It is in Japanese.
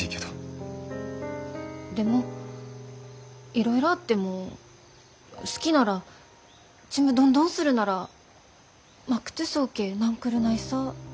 でもいろいろあっても好きならちむどんどんするならまくとぅそーけーなんくるないさであるよね？